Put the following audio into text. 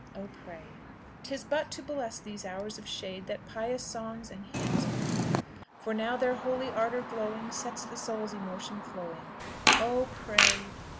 oh, pray! 'Tis but to bless these hours of shade That pious songs and hymns are made; For now, their holy ardour glowing, Sets the soul's emotion flowing. Oh, pray!